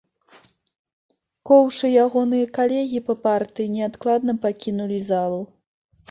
Коўш і ягоныя калегі па партыі неадкладна пакінулі залу.